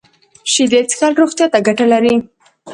شیدې څښل روغتیا ته ګټه لري